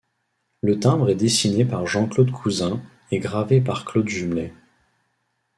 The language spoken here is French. Le timbre est dessiné par Jean-Paul Cousin et gravé par Claude Jumelet.